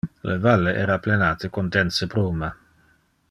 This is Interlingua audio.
Le valle era plenate con dense bruma.